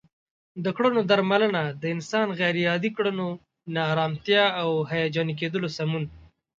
د کړنو درملنه د انسان غیر عادي کړنو، ناآرامتیا او هیجاني کیدلو سمون